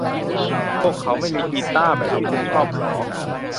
พวกเขาไม่มีกีต้าร์แบบที่คุณชอบหรอ